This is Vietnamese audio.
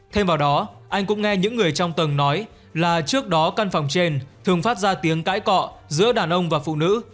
thêm vào đó anh cũng nghe những người trong tầng nói là trước đó căn phòng trên thường phát ra tiếng cãi cọ giữa đàn ông và phụ nữ